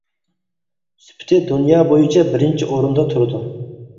سۈپىتى دۇنيا بويىچە بىرىنچى ئورۇندا تۇرىدۇ.